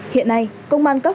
hiện nay công an cấp